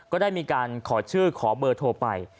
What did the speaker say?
ก็ได้มีการขอชื่อขอเบอร์โทรไป